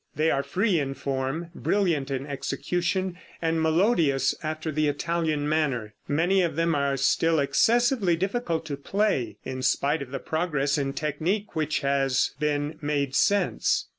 They are free in form, brilliant in execution, and melodious after the Italian manner. Many of them are still excessively difficult to play, in spite of the progress in technique which has been made since.